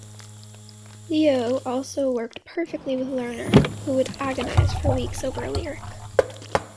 Loewe also worked perfectly with Lerner, who would agonize for weeks over a lyric.